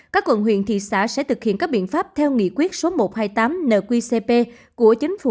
các quận huyện thị xã sẽ thực hiện các biện pháp theo nghị quyết số một trăm hai mươi tám nqcp của chính phủ